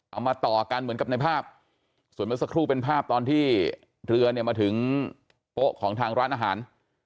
เอามาต่อกันเหมือนกับในภาพส่วนเมื่อสักครู่เป็นภาพตอนที่เรือเนี่ยมาถึงโป๊ะของทางร้านอาหาร